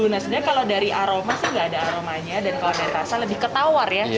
nah sebenarnya kalau dari aroma sih nggak ada aromanya dan kalau dari rasa lebih ketawar ya